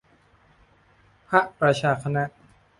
พระราชาคณะ